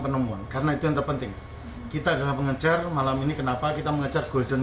penemuan karena itu yang terpenting kita adalah pengejar malam ini kenapa kita mengejar golden